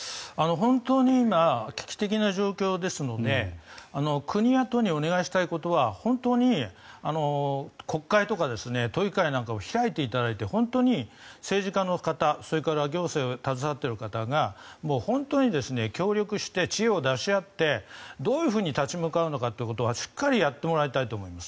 本当に今危機的な状況ですので国や都にお願いしたいことは本当に、国会とか都議会なんかを開いていただいて本当に政治家の方それから行政に携わっている方が本当に協力して知恵を出し合ってどう立ち向かうのかということをしっかりやってもらいたいと思います。